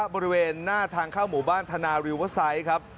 บริเวณหน้าทางเข้าหมู่บ้านธนาริวเวอร์ไซต์ครับ